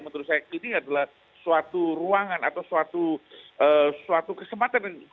menurut saya ini adalah suatu ruangan atau suatu kesempatan